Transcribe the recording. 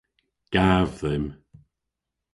Gav dhymm.